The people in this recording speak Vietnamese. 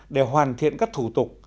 để hoàn thiện các thủ tục